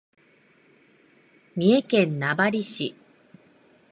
三重県名張市